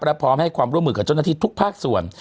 และพร้อมให้ความร่วมมือกับเจ้าหน้าที่ทุกภาคส่วน